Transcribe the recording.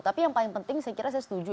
tapi yang paling penting saya kira saya setuju